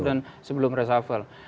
dan sebelum resafal